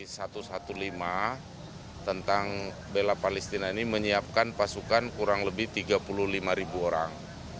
yang pertama tentang bela palestina ini menyiapkan pasukan kurang lebih tiga puluh lima ribu orang